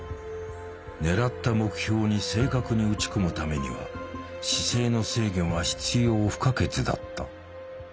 狙った目標に正確に撃ち込むためには姿勢の制御が必要不可欠だった。